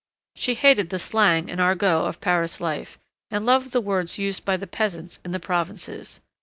She hated the slang and argot of Paris life, and loved the words used by the peasants in the provinces.